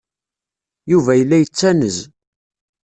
Yuba yella yettanez.